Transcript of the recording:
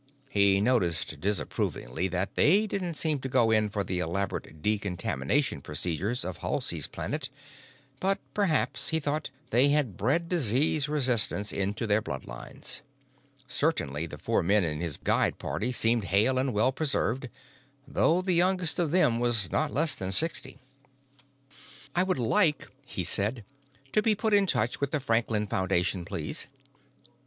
He noticed disapprovingly that they didn't seem to go in for the elaborate decontamination procedures of Halsey's Planet, but perhaps, he thought, they had bred disease resistance into their bloodlines. Certainly the four men in his guide party seemed hale and well preserved, though the youngest of them was not less than sixty. "I would like," he said, "to be put in touch with the Franklin Foundation, please."